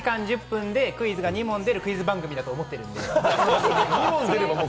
２時間１０分でクイズが２問出るクイズ番組だと思っているんで。